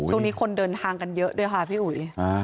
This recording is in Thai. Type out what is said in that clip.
ช่วงนี้คนเดินทางกันเยอะด้วยค่ะพี่อุ๋ย